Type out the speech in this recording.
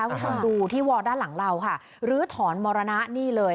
วิธีวอลด้านหลังเราค่ะรื้อถอนมรณะนี่เลย